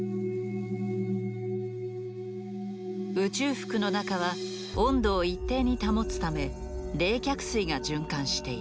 宇宙服の中は温度を一定に保つため冷却水が循環している。